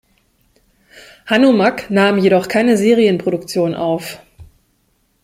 Hanomag nahm jedoch keine Serienproduktion auf.